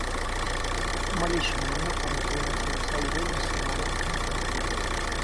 По малейшему намеку она переносила свою ревность с одного предмета на другой.